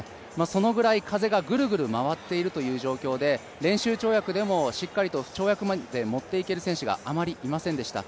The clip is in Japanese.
そのぐらい風がぐるぐる回っているという状況で練習跳躍でも、しっかり跳躍までもっていける選手があまりいませんでした。